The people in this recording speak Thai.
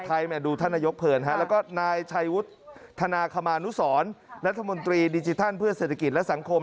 ่านายชัยวุธธนาคมานุสอนนัพมนตรีดิจิทัลเพื่อเศรษฐกิจและสังคม